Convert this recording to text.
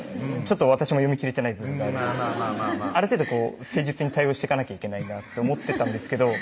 私も読み切れてない部分があるある程度誠実に対応してかなきゃいけないなと思ってたんですけど